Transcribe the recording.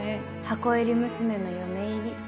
箱入り娘の嫁入り。